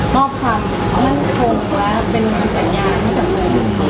นอกคำมั่นโฟนและเป็นคำสัญญาณของเมือง